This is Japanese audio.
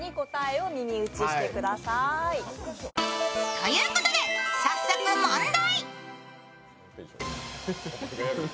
ということで、早速問題。